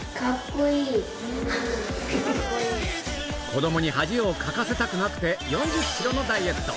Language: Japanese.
子供に恥をかかせたくなくて４０ｋｇのダイエット